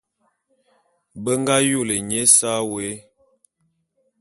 Be ngā yôlé nye ésa wé.